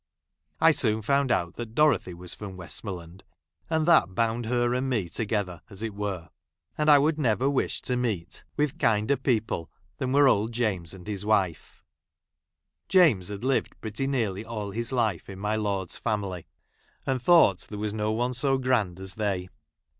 I soon found out that Dorothy was from 'Westmoreland, aud that bound her and me together, as it were ; and I would never wish to meet with kinder people than were old James and his i wife. James had lived pretty nearly all his i life in my lord's family, and thought there i was no one so grand as they.